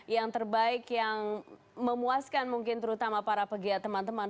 yang terbaik yang memuaskan mungkin terutama para pegiat teman teman